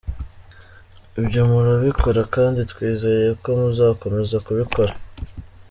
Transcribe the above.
Ibyo murabikora kandi twizeye ko muzakomeza kubikora.